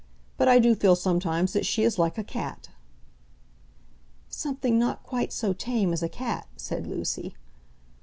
But, I do feel sometimes, that she is like a cat." "Something not quite so tame as a cat," said Lucy.